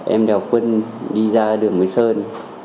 em đèo quân đi ra đường với sơn